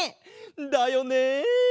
だよね。